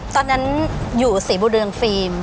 ตอนนั้นอยู่ศรีบุเรืองฟิล์ม